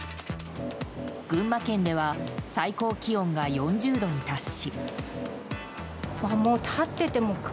群馬県では最高気温が４０度に達し。